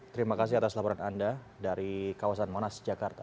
terima kasih atas laporan anda dari kawasan monas jakarta